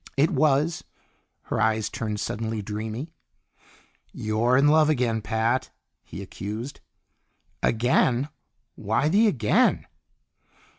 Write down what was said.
"It was." Her eyes turned suddenly dreamy. "You're in love again, Pat!" he accused. "Again? Why the 'again'?"